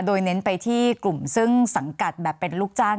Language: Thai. โดยเน้นไปที่กลุ่มซึ่งสังกัดแบบเป็นลูกจ้าง